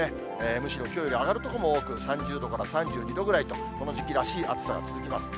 むしろきょうより上がる所も多く、３０度から３２度ぐらいと、この時期らしい暑さが続きます。